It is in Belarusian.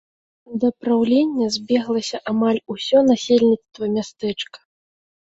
Да праўлення збеглася амаль усё насельніцтва мястэчка.